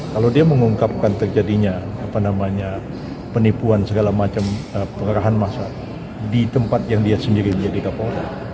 kalau dia mengungkapkan terjadinya penipuan segala macam pengerahan masa di tempat yang dia sendiri menjadi kapolda